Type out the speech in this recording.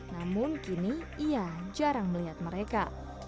namun kini ia jarang melihat mereka